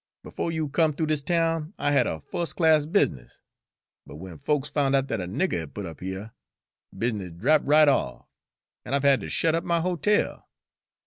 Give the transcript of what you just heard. Befo' you come th'ough dis town I had a fus' class business. But w'en folks found out dat a nigger had put up here, business drapped right off, an' I've had ter shet up my hotel.